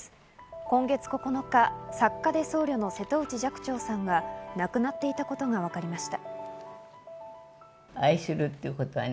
今月９日、作家で僧侶の瀬戸内寂聴さんが亡くなっていたことがわかりました。